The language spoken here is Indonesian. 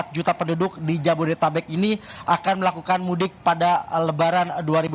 empat juta penduduk di jabodetabek ini akan melakukan mudik pada lebaran dua ribu dua puluh